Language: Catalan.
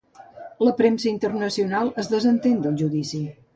La premsa internacional es desentén del judici